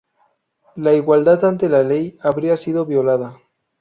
La igualdad ante la ley habría sido violada.